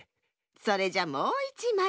それじゃもういちまい。